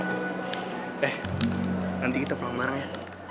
eh nanti kita pelang marah ya